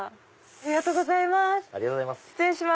ありがとうございます。